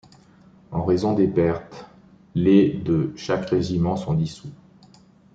En raison des pertes, les de chaque régiment sont dissous.